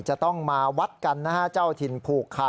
จะต้องมาวัดกันนะฮะเจ้าถิ่นผูกคา